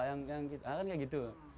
ya kan kayak gitu